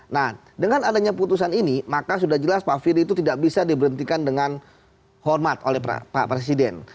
nah dengan adanya putusan ini maka sudah jelas pak firly itu tidak bisa diberhentikan dengan hormat oleh pak presiden